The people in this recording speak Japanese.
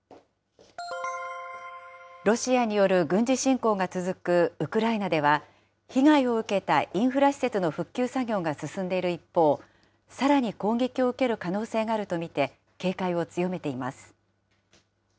ロシアによる軍事侵攻が続くウクライナでは、被害を受けたインフラ施設の復旧作業が進んでいる一方、さらに攻撃を受ける可能性があると見て、警戒を強めています。